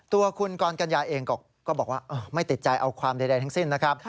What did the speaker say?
ตัวคุณกรกัญญาเองก็บอกว่าไม่ติดใจเอาความใดทั้งสิ้นนะครับ